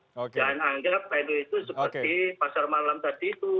jangan anggap nu itu seperti pasar malam tadi itu